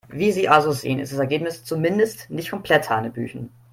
Wie Sie also sehen, ist das Ergebnis zumindest nicht komplett hanebüchen.